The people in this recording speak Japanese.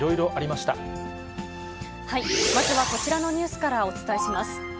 まずはこちらのニュースからお伝えします。